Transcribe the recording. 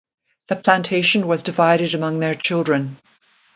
The plantation was divided among their children.